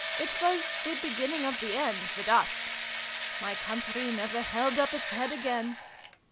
It was ' the beginning of the end" with us. My country never held up its head again